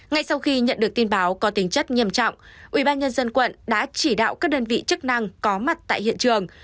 ngay sau khi nhận được tin báo có tính chất nghiêm trọng ubnd quận đã chỉ đạo các đơn vị chức năng có mặt tại hiện trường